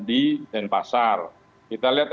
di denpasar kita lihat